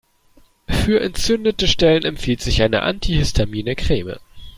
Für entzündete Stellen empfiehlt sie eine antihistamine Creme.